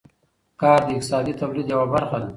کار د اقتصادي تولید یوه برخه ده.